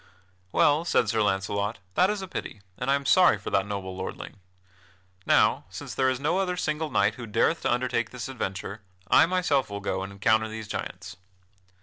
"Well," said Sir Launcelot, "that is a pity and I am sorry for that noble lordling. Now, since there is no other single knight who dareth to undertake this adventure, I myself will go and encounter these giants."